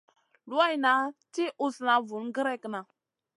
Luwayna ti usna vun gerekna.